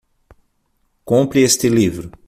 Compre este livro